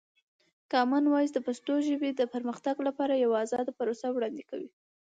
کامن وایس د پښتو ژبې د پرمختګ لپاره یوه ازاده پروسه وړاندې کوي.